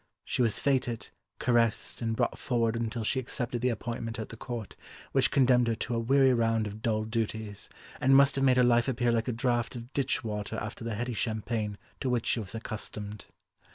She was fêted, caressed and brought forward until she accepted the appointment at the court which condemned her to a weary round of dull duties, and must have made her life appear like a draught of ditch water after the heady champagne to which she was accustomed.